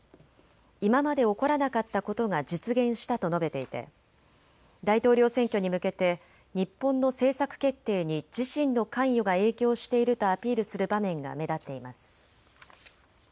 今まで起こらなかったことが実現したと述べていて大統領選挙に向けて日本の政策決定に自身の関与が影響しているとアピールする場面が目立っています。